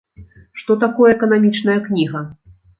Што такое эканамічная кніга?